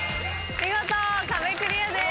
見事壁クリアです。